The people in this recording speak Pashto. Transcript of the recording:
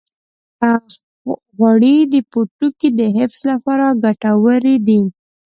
غوړې د پوټکي د حفظ لپاره هم ګټورې دي.